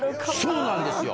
そうなんですよ。